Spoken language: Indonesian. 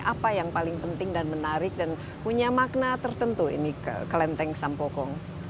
apa yang paling penting dan menarik dan punya makna tertentu ini ke kelenteng sampokong